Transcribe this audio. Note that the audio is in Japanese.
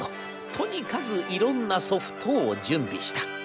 とにかくいろんなソフトを準備した。